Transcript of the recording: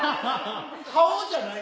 顔じゃない。